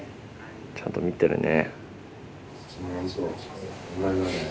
ちゃんと見てるね。